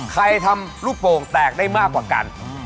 ทำลูกโป่งแตกได้มากกว่ากัน